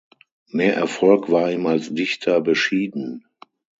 Mehr Erfolg war ihm als Dichter beschieden.